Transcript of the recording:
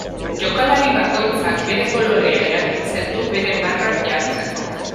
Jokalari bakoitzak bere kolorea erabiltzen du bere marrak jartzeko.